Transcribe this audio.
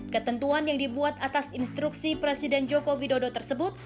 ketentuan yang dibuat atas instruksi presiden joko widodo tersebut